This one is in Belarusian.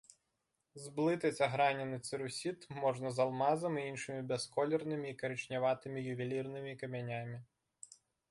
Зблытаць агранены цэрусіт можна з алмазам і іншымі бясколернымі і карычняватымі ювелірнымі камянямі.